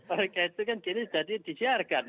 karena itu kan gini jadi dijarkan